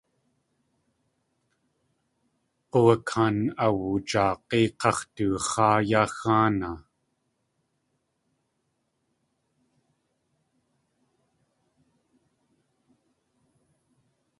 G̲uwakaan awujaag̲í gax̲toox̲áa yá xáanaa.